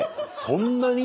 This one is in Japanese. そんなに？